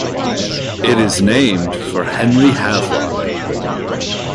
It is named for Henry Havelock.